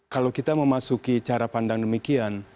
kalau kita memasuki cara pandang demikian